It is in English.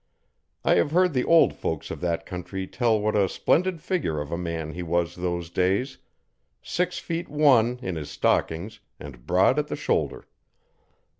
I have heard the old folks of that country tell what a splendid figure of a man he was those days six feet one in his stockings and broad at the shoulder.